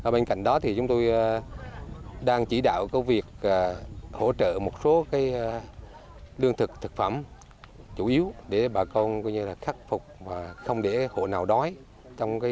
bên cạnh đó chúng tôi đang chỉ đạo có việc hỗ trợ một số lương thực thực phẩm chủ yếu để bà con khắc phục và không để họ nào đói trong dịp này